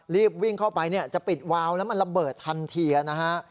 รีบวิ่งเข้าไปเนี่ยจะปิดวาวแล้วมันระเบิดทันทีนะฮะ